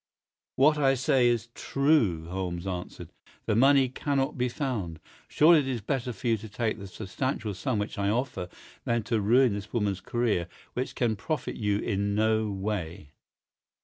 "What I say is true," Holmes answered. "The money cannot be found. Surely it is better for you to take the substantial sum which I offer than to ruin this woman's career, which can profit you in no way?"